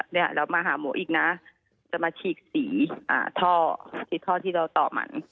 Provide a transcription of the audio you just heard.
เนี่ยเรามาหาหมออีกนะจะมาฉีกสีอ่าท่อสีท่อที่เราต่อมัน